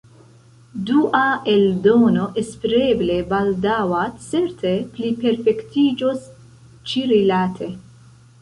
Dua eldono, espereble baldaŭa, certe pliperfektiĝos ĉirilate.